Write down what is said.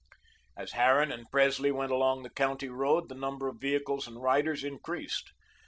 As Harran and Presley went along the county road, the number of vehicles and riders increased.